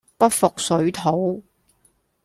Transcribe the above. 不服水土